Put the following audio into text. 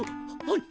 はい。